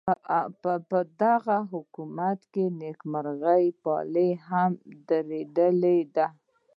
پدغه حکومت کې د نیکمرغۍ پله هم درنده ده.